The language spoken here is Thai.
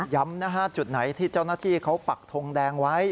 จุดไหนที่เจ้าหน้าที่เขาปักทงแดงไว้